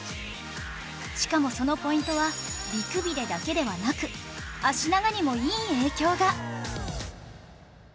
しかもそのポイントは美くびれだけではなく脚長にもいい影響が！